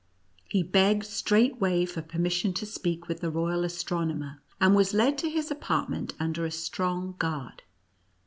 He begged straightway for permission to speak with the royal astronomer, and was led to his apartment under a strong guard.